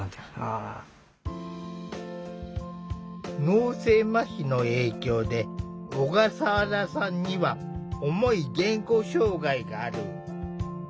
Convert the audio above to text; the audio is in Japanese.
脳性まひの影響で小笠原さんには重い言語障害がある。